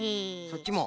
そっちも。